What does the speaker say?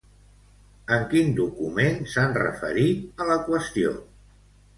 En quin document s'han referit a la qüestió?